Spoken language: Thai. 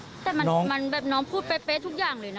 แต่มันแบบน้องพูดเป๊ะทุกอย่างเลยนะ